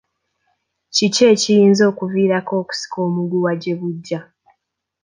Kiki ekiyinza okuviirako okusika omuguwa gye bujja?